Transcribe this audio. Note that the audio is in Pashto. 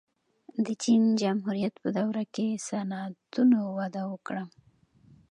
د چین جمهوریت په دوره کې صنعتونه وده وکړه.